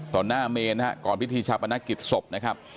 หน้าเมนนะฮะก่อนพิธีชาปนกิจศพนะครับ